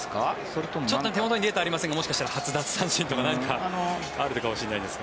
手元にデータはありませんがもしかしたら初奪三振とかあるかもしれませんが。